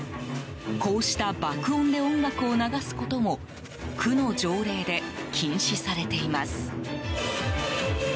こうした爆音で音楽を流すことも区の条例で禁止されています。